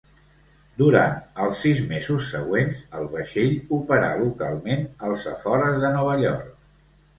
Durant els sis mesos següents, el vaixell operà localment als afores de Nova York.